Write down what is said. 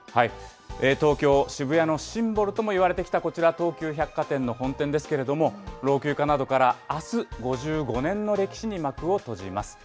東京・渋谷のシンボルともいわれてきたこちら、東急百貨店の本店ですけれども、老朽化などからあす、５５年の歴史に幕を閉じます。